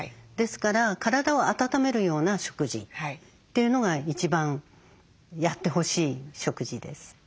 ですから体を温めるような食事というのが一番やってほしい食事です。